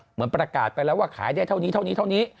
เหมือนประกาศไปแล้วว่าขายได้เท่านี้เท่านี้เท่านี้